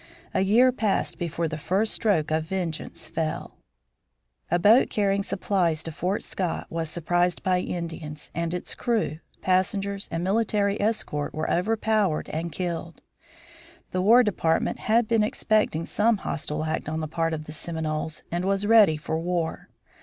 A year passed before the first stroke of vengeance fell. A boat carrying supplies to Fort Scott was surprised by Indians, and its crew, passengers, and military escort were overpowered and killed. The War Department had been expecting some hostile act on the part of the Seminoles, and was ready for war.